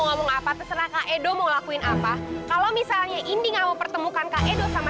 ngomong apa terserah kak edo mau lakuin apa kalau misalnya indi nggak mau pertemukan kak edo sama